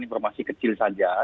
informasi kecil saja